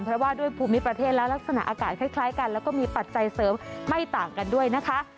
เพราะว่าด้วยภูมิประเทศและลักษณะอากาศคล้ายกันแล้วก็มีปัจจัยเสริมไม่ต่างกันด้วยนะคะ